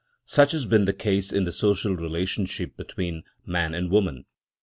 Such has been the case in the social relationship between man and woman.